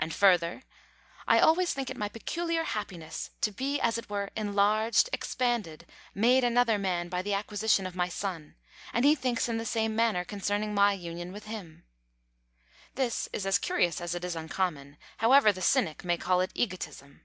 And further, "I always think it my peculiar happiness to be as it were enlarged, expanded, made another man, by the acquisition of my son; and he thinks in the same manner concerning my union with him." This is as curious as it is uncommon; however the cynic may call it egotism!